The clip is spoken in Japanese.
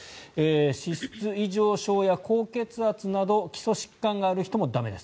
脂質異常症や高血圧など基礎疾患がある人も駄目です。